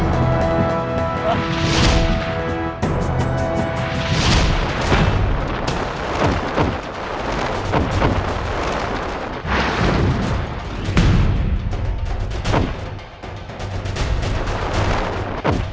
kita tidak akan mungkin ikut reserve